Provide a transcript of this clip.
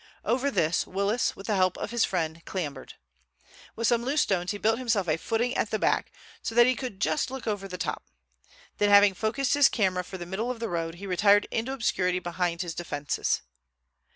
Over this Willis, with the help of his friend, clambered. With some loose stones he built himself a footing at the back, so that he could just look over the top. Then having focused his camera for the middle of the road, he retired into obscurity behind his defences.